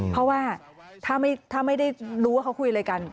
เพราะว่าถ้าไม่ได้รู้ว่าเขาคุยอะไรกัน